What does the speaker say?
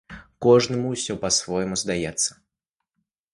Кожнаму ўсё па-свойму здаецца.